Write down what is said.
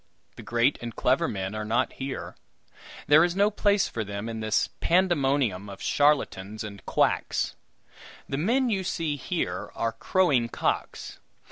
The great and clever men are not here; there is no place for them in this pandemonium of charlatans and quacks. The men you see here are crowing cocks.